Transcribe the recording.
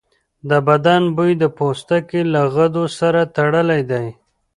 د بدن بوی د پوستکي له غدو سره تړلی دی.